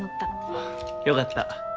あっ良かった。